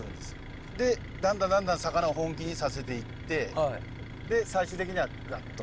でだんだんだんだん魚を本気にさせていってで最終的にはガッと。